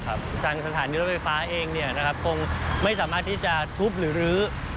ทางสถานีรถไฟฟ้าเองคงไม่สามารถที่จะทุบหรือลื้อ